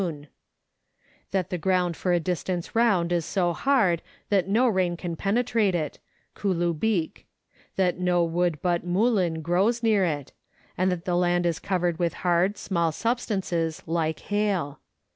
named Neel Kumm; that the ground for a distance round is so hard that no rain can penetrate it (kulkubeek) ; that no wood but mullin grows near it ; and that the land is covered with hard small substances like hail.